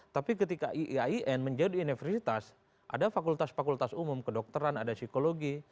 tapi ketika iain menjadi universitas ada fakultas fakultas umum kedokteran ada psikologi